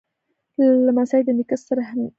لمسی د نیکه ستر امید وي.